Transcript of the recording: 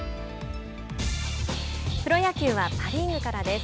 プロ野球はパ・リーグからです。